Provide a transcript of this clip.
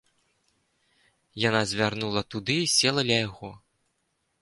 Яна звярнула туды і села ля яго.